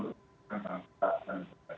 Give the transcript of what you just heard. dan mengembangkan kita dan kita sendiri